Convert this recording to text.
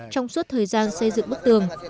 trong suốt thời gian xây dựng bức tường